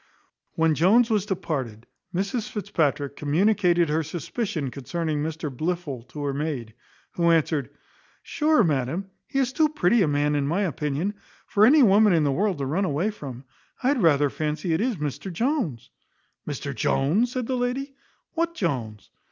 When Jones was departed Mrs Fitzpatrick communicated her suspicion concerning Mr Blifil to her maid; who answered, "Sure, madam, he is too pretty a man, in my opinion, for any woman in the world to run away from. I had rather fancy it is Mr Jones." "Mr Jones!" said the lady, "what Jones?"